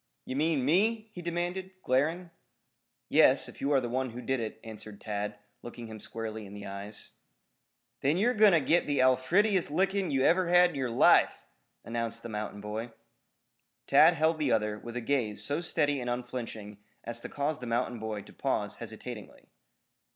"Ye mean me?" he demanded, glaring. "Yes, if you are the one who did it," answered Tad, looking him squarely in the eyes. "Then your going to git the alfiredest lickin' you ever had in your life," announced the mountain boy. Tad held the other with a gaze so steady and unflinching as to cause the mountain boy to pause hesitatingly.